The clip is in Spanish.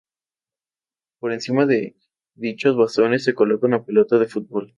Por encima de dichos bastones, se coloca una pelota de fútbol.